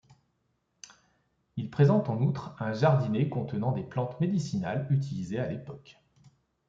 Il présente en outre un jardinet contenant des plantes médicinales utilisées à l’époque.